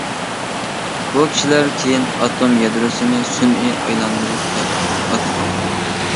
بۇ كىشىلەر كېيىن ئاتوم يادروسىنى سۈنئىي ئايلاندۇرۇش دەپ ئاتىدى.